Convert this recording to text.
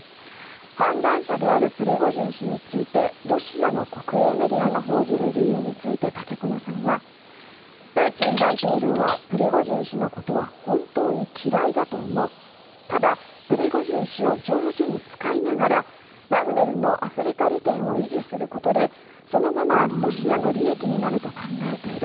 反乱者であるプリゴジン氏についてロシアの国営メディアが報じる理由について武隈さんはプーチン大統領はプリゴジン氏のことは本当に嫌いだと思うただ、プリゴジン氏を上手に使いながらワグネルのアフリカ利権を維持することでそのままロシアの利益になると考えている。